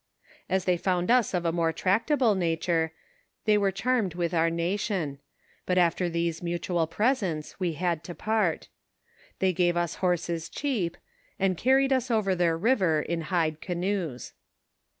As they found us of a more tractable nature, they were charmed with our nation; but after these mutual presents, we had to part. They gave us iiorses cheap, and carried ub over their river in hide canoes.